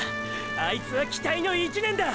あいつは期待の１年だ！！